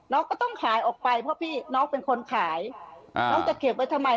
ก็ต้องขายออกไปเพราะพี่น้องเป็นคนขายน้องจะเก็บไว้ทำไม